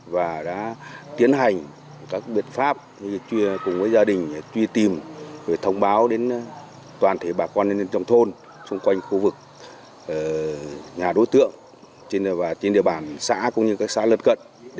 và tầm ngắm của cơ quan điều tra